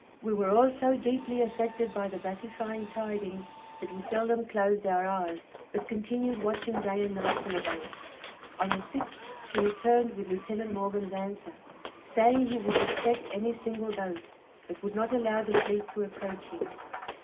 We were all so deeply affected by the gratifying tidings, that we seldom closed our eyes, but continued watching day and night for the boat. On the 6th she returned with Lieutenant Maughn's answer, saying he would respect any single boat; but would not allow the fleet to approach him.